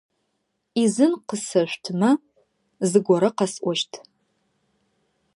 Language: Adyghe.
Ӏизын къысэшъутмэ, зыгорэ къэсӀощт.